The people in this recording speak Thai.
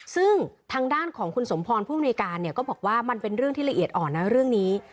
ซึ่งทางด้านของคุณสมพรผู้มนุยการเนี่ยก็บอกว่ามันเป็นเรื่องที่ละเอียดอ่อนนะเรื่องนี้